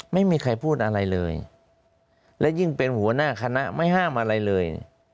ไม่มีใครพูดอะไรเลยและยิ่งเป็นหัวหน้าคณะไม่ห้ามอะไรเลย